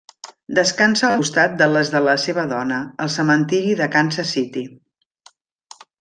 Descansa al costat de les de la seva dona, al cementiri de Kansas City.